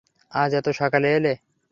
আজ এত সকালে এলে?